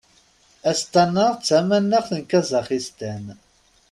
Astana d tamanaxt n Kazaxistan.